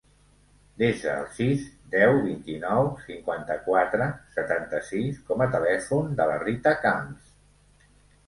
Desa el sis, deu, vint-i-nou, cinquanta-quatre, setanta-sis com a telèfon de la Rita Camps.